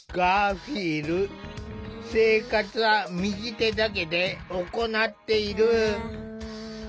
生活は右手だけで行っている。